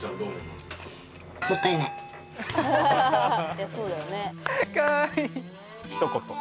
いやそうだよね。